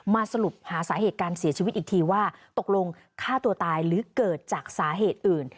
สรุปหาสาเหตุการเสียชีวิตอีกทีว่าตกลงฆ่าตัวตายหรือเกิดจากสาเหตุอื่น